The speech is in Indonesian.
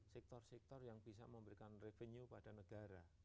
sektor sektor yang bisa memberikan revenue pada negara